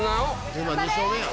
今２勝目や。